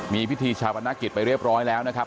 มีพิธีชาปนกิจไปเรียบร้อยแล้วนะครับ